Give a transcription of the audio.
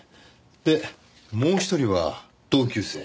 でもう１人は同級生？